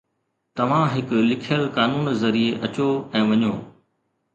توهان هڪ لکيل قانون ذريعي اچو ۽ وڃو